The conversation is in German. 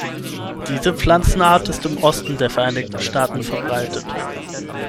Diese Pflanzenart ist im Osten der Vereinigten Staaten verbreitet.